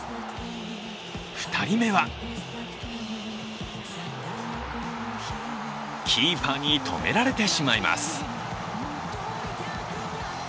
２人目はキーパーに止められてしまいます。